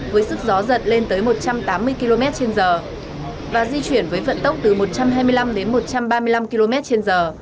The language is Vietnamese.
với sức gió giật lên tới một trăm tám mươi km trên giờ và di chuyển với vận tốc từ một trăm hai mươi năm đến một trăm ba mươi năm km trên giờ